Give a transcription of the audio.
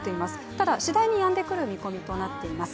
ただ次第にやんでくる見込みとなっています。